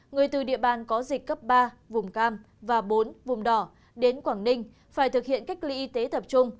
người từ địa bàn có dịch cấp ba vùng cam và bốn vùng đỏ đến quảng ninh phải thực hiện cách ly y tế tập trung